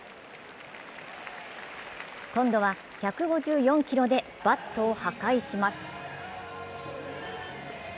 今度は１５４キロでバットを破壊します。